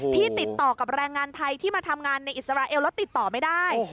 ติดต่อกับแรงงานไทยที่มาทำงานในอิสราเอลแล้วติดต่อไม่ได้